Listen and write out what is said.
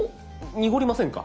濁りませんか？